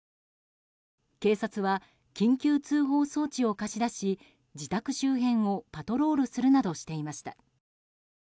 警察は緊急通報装置を貸し出し自宅周辺をパトロールするなどしていました。